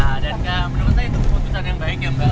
nah dan menurut saya itu keputusan yang baik ya mbak